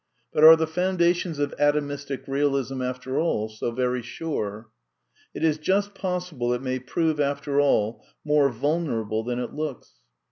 But are the foundations of Atomistic Bealism, after all, so very sure ? It is just possible it may prove, after all, more vulner able than it looks.